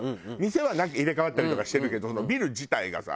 店は入れ替わったりとかしてるけどビル自体がさ。